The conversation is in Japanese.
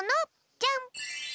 じゃん。